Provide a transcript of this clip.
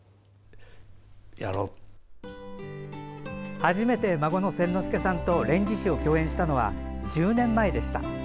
初めて孫の千之助さんと「連獅子」を共演したのは１０年前でした。